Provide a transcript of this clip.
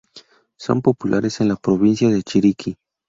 Son populares en la provincia de Chiriquí.